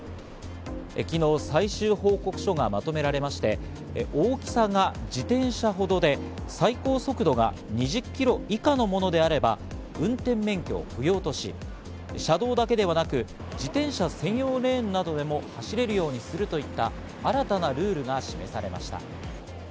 昨日、最終報告書がまとめられまして、大きさが自転車ほどで最高速度が２０キロ以下のものであれば運転免許を不要とし、車道だけではなく、自転車専用レーンなどでも走れるようにするといった新たなルールが示されました。